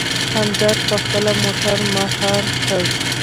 همدرد په خپله موټر مهار کړ.